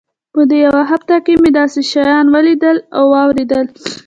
په دې يوه هفته کښې مې داسې شيان وليدل او واورېدل.